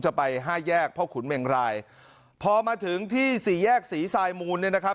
จะไปห้าแยกพ่อขุนเมงรายพอมาถึงที่สี่แยกศรีทรายมูลเนี่ยนะครับ